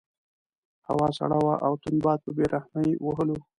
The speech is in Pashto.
هوا سړه وه او تند باد په بې رحمۍ وهلو.